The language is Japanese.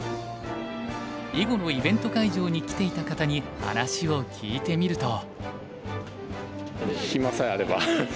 囲碁のイベント会場に来ていた方に話を聞いてみると。